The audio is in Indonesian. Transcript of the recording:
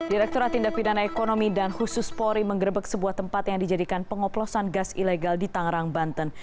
direkturat tindak pidana ekonomi dan khusus polri mengerebek sebuah tempat yang dijadikan pengoplosan gas ilegal di tangerang banten